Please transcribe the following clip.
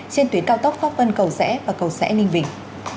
trên tuyến cao tốc pháp vân cầu rẽ và cầu rẽ ninh bình